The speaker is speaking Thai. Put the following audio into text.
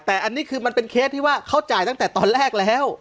แต่อันนี้คือมันเป็นเคสที่ว่าเขาจ่ายตั้งแต่ตอนแรกแล้ว